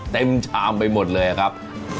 เต็มชามไปหมดเลยครับ